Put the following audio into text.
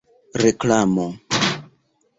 reklamo